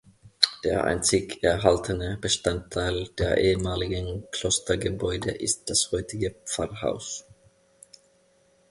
Der einzig erhaltene Bestandteil der ehemaligen Klostergebäude ist das heutige Pfarrhaus.